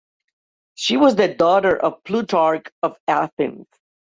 She was the daughter of Plutarch of Athens.